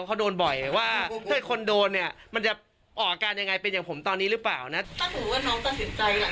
ยังไงว่าพี่ตั้มบอกว่ามันไม่มีเรื่องมือ